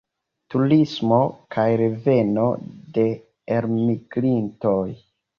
Turismo kaj reveno de elmigrintoj.